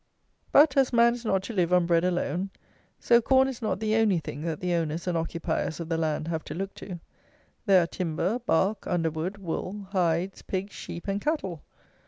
But, as man is not to live on bread alone, so corn is not the only thing that the owners and occupiers of the land have to look to. There are timber, bark, underwood, wool, hides, pigs, sheep, and cattle.